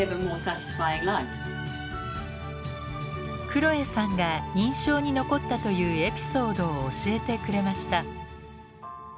クロエさんが印象に残ったというエピソードを教えてくれました。